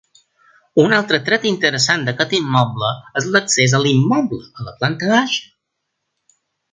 Un altre tret interessant d'aquest immoble és l'accés a l'immoble, a la planta baixa.